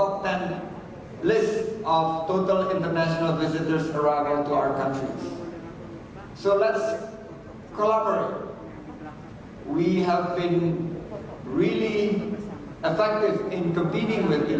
kita telah sangat berkesan dalam berkumpul dengan satu sama lain